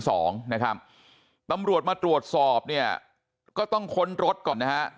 ตำรวจมาตรวจสอบก็ต้องค้นรถก่อน